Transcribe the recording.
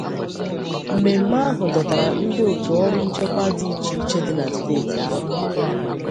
Mmemme ahụ dọtara ndị òtù ọrụ nchekwa dị iche-iche dị na steeti ahụ